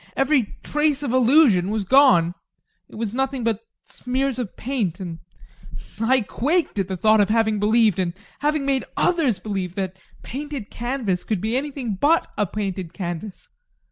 Every trace of illusion was gone it was nothing but smears of paint, and I quaked at the thought of having believed, and having made others believe, that a painted canvas could be anything but a painted canvas.